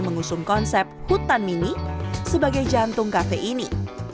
mengusung konsep hutan mini sebagai jantung kafe ini